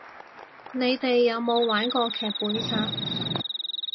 你哋有冇玩過劇本殺